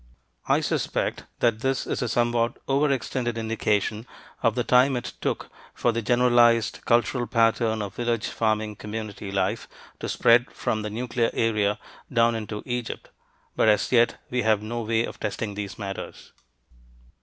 I suspect that this is a somewhat over extended indication of the time it took for the generalized cultural pattern of village farming community life to spread from the nuclear area down into Egypt, but as yet we have no way of testing these matters.